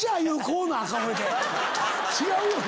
違うよな。